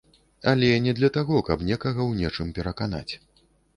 Але не для таго, каб некага ў нечым пераканаць.